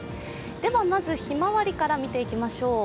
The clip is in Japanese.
まず、ひまわりから見ていきましょう。